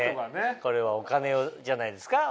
これはお金じゃないですか？